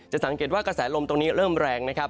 สังเกตว่ากระแสลมตรงนี้เริ่มแรงนะครับ